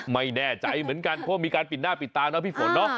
ไม่แน่ใจเหมือนกันเพราะว่ามีการปิดหน้าปิดตาเนาะพี่ฝนเนอะ